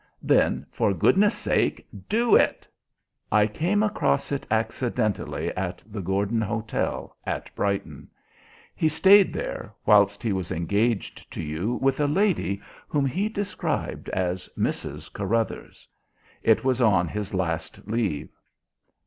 "Then, for goodness sake, do it!" "I came across it accidentally at the Gordon Hotel at Brighton. He stayed there, whilst he was engaged to you, with a lady whom he described as Mrs. Carruthers. It was on his last leave."